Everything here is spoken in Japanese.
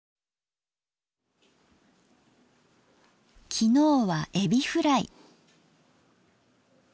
昨日はえびフライ。